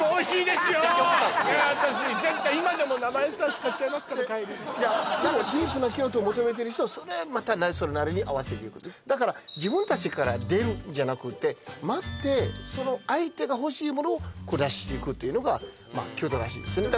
私帰りでもディープな京都を求めてる人はそれまたそれなりに合わせていくだから自分達から出るんじゃなくて待ってその相手が欲しいものを小出ししていくっていうのが京都らしいですよね